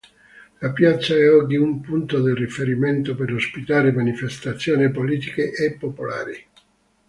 La piazza è oggi un punto di riferimento per ospitare manifestazioni politiche e popolari.